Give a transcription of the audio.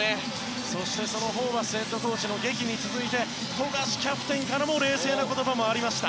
そしてそのホーバスヘッドコーチのげきに続いて富樫キャプテンからも冷静な言葉がありました。